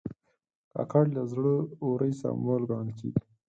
کاکړ د زړه ورۍ سمبول ګڼل کېږي.